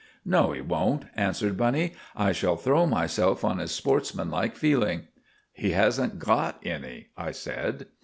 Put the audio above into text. "No, he won't," answered Bunny. "I shall throw myself on his sportsmanlike feeling." "He hasn't got any," I said.